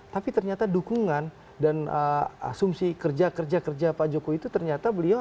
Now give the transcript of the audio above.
tapi ternyata dukungan dan asumsi kerja kerja pak jokowi itu ternyata tidak ada